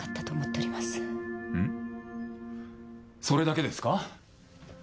それだけですか？